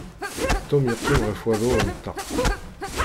Tom yeqqim ɣef wadur n ṭṭaq.